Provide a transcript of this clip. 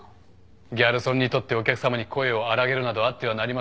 ギャルソンにとってお客さまに声を荒らげるなどあってはなりません。